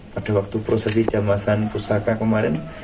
pada waktu prosesi jamasan pusaka kemarin